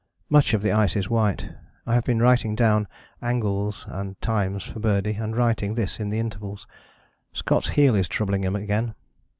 Much of the ice is white. I have been writing down angles and times for Birdie, and writing this in the intervals. Scott's heel is troubling him again.